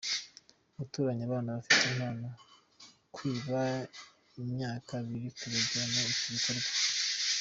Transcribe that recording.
Gutoranya abana bafite impano: Kwiba imyaka biri kubangamira iki gikorwa.